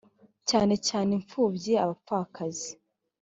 cyane cyane imfubyi abapfakazi